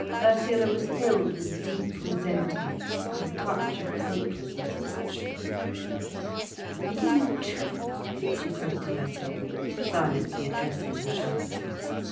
Ursula was filled with deep resentment and a touch of hopelessness. "It isn't true," she said to herself, silently addressing her adversary.